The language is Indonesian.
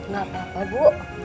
gak apa apa bu